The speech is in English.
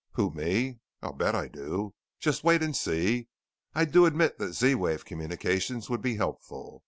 "Who me? I'll bet I do. Just wait and see. I do admit that Z wave communications would be helpful.